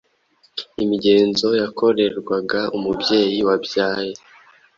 imigenzo yakorerwaga umubyeyi wabyaye